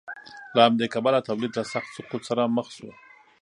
له همدې کبله تولید له سخت سقوط سره مخ شو.